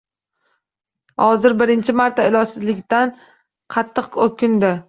Hozir birinchi marta ilojsizligidan qattiq o‘kindi.